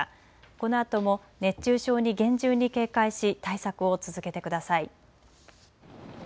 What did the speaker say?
このあとも熱中症に厳重に警戒し対策を続けてください。